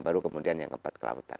baru kemudian yang keempat kelautan